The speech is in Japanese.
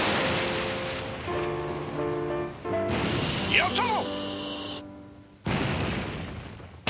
やったぞ！